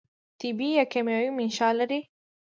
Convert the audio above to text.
طبي یا کیمیاوي منشأ لري.